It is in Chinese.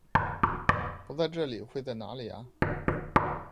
不在这里会在哪里啊？